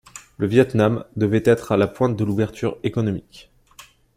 Le Viêt Nam devant être à la pointe de l'ouverture économique.